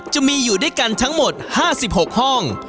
จะมีอยู่ทั้งหมด๕๖ห้อง